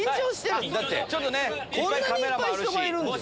こんなにいっぱい人がいるんですよ。